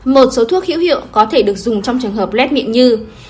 một số thuốc hữu hiệu có thể được dùng trong trường hợp lết miệng như